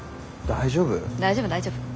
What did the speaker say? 大丈夫大丈夫。